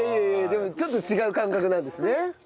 でもちょっと違う感覚なんですね。